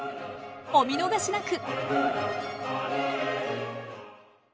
お見逃しなく！